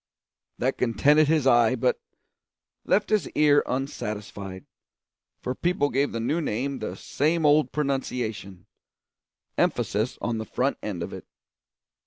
That contented his eye, but left his ear unsatisfied, for people gave the new name the same old pronunciation emphasis on the front end of it.